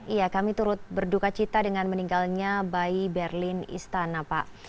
iya kami turut berduka cita dengan meninggalnya bayi berlin istana pak